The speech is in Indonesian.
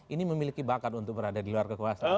ini memiliki bakat untuk berada di luar kekuasaan